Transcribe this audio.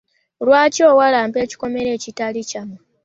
Lwaki owalampa ekikomera ekitali kyammwe?